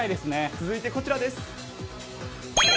続いてこちらです。